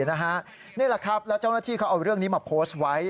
นี่แหละครับแล้วเจ้าหน้าที่เขาเอาเรื่องนี้มาโพสต์ไว้